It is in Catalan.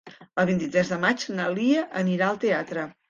El vint-i-tres de maig na Lia anirà al teatre.